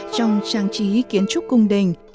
trong trang trí kiến trúc cung đỉnh